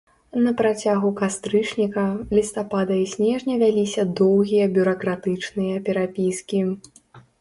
На працягу кастрычніка, лістапада і снежня вяліся доўгія бюракратычныя перапіскі.